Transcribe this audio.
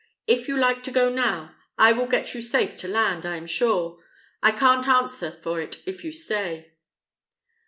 If you like to go now, I will get you safe to land, I am sure. I can't answer for it if you stay."